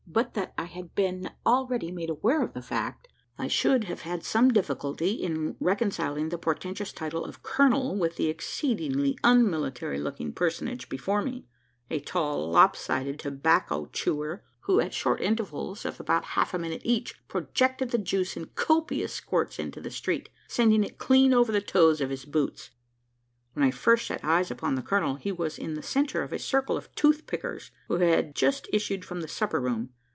But that I had been already made aware of the fact, I should have had some difficulty in reconciling the portentous title of "colonel" with the exceedingly unmilitary looking personage before me a tall lopsided tobacco chewer, who, at short intervals, of about half a minute each, projected the juice in copious squirts into the street, sending it clean over the toes of his boots! When I first set eyes upon the colonel, he was in the centre of a circle of tooth pickers, who had just issued from the supper room.